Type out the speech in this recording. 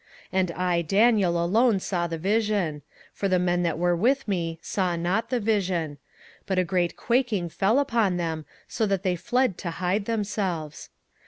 27:010:007 And I Daniel alone saw the vision: for the men that were with me saw not the vision; but a great quaking fell upon them, so that they fled to hide themselves.